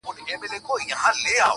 یو یار مي ته یې شل مي نور نیولي دینه٫